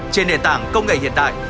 trên nền tảng công nghệ hiện đại